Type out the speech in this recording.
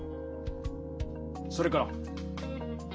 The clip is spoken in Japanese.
それから？